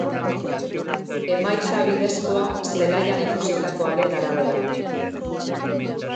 Emaitza bidezkoa, zelaian ikusitakoaren arabera.